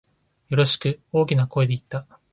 よろしく、大きな声で言った。